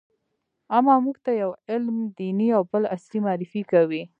اما موږ ته يو علم دیني او بل عصري معرفي کوي.